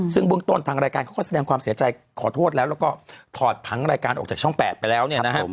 ซึ่งเบื้องต้นทางรายการเขาก็แสดงความเสียใจขอโทษแล้วแล้วก็ถอดผังรายการออกจากช่อง๘ไปแล้วเนี่ยนะฮะ